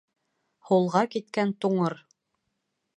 Һулға киткән туңыр.